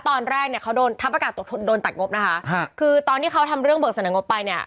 ตอนแรกเนี่ยเขาโดนทัพอากาศโดนตัดงบนะคะคือตอนที่เขาทำเรื่องเบิกเสนองบไปเนี่ย